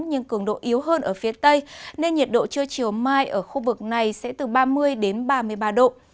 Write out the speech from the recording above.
nhưng cường độ yếu hơn ở phía tây nên nhiệt độ trưa chiều mai ở khu vực này sẽ từ ba mươi ba mươi ba độ